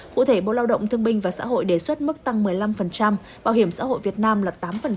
cụ thể bộ lao động thương binh và xã hội đề xuất mức tăng một mươi năm bảo hiểm xã hội việt nam là tám